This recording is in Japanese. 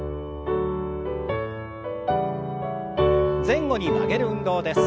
前後に曲げる運動です。